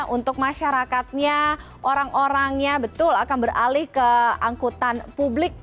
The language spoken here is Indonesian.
untuk masyarakatnya orang orangnya betul akan beralih ke angkutan publik